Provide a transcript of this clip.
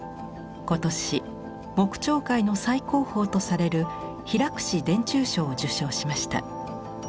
今年木彫界の最高峰とされる平田中賞を受賞しました。